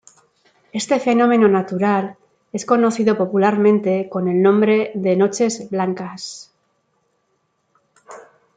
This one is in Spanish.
Este fenómeno natural es conocido popularmente con el nombre de Noches blancas.